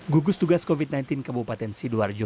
gugus tugas covid sembilan belas kabupaten sidoarjo